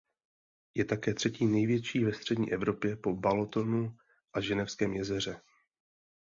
Je také třetí největší ve střední Evropě po Balatonu a Ženevském jezeře.